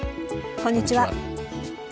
こんにちは。